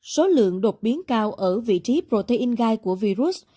số lượng đột biến cao ở vị trí protein gai của virus